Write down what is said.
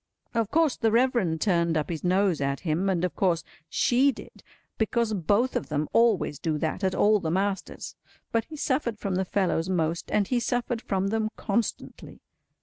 Of course the Reverend turned up his nose at him, and of course she did—because both of them always do that at all the masters—but he suffered from the fellows most, and he suffered from them constantly.